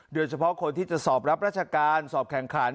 โดยเฉพาะคนที่จะสอบรับราชการสอบแข่งขัน